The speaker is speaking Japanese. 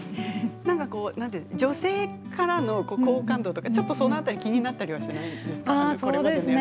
女性からの好感度とかちょっとその辺り気になったりしないですか